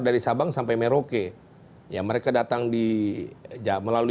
dari sabang sampai merauke yang mereka datang di dijaga melalui jakarta mereka akan menyebar